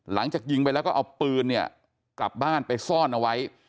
หลังจากยิงไปแล้วก็เอาปืนเนี่ยกลับบ้านไปซ่อนเอาไว้